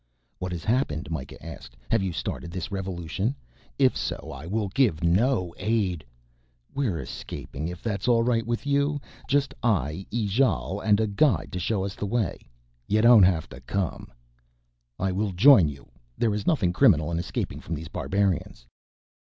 "What has happened," Mikah asked. "Have you started this revolution? If so I will give no aid...." "We're escaping, if that's all right with you. Just I, Ijale and a guide to show us the way. You don't have to come " "I will join you. There is nothing criminal in escaping from these barbarians."